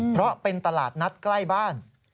เพราะเป็นตลาดนัดใกล้บ้าน